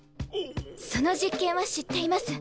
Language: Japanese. その実験は知っています。